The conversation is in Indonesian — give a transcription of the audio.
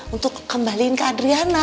untuk kembaliin ke adriana